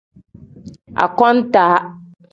Akontaa.